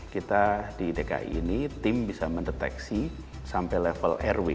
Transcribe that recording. kita di dki ini tim bisa mendeteksi sampai level rw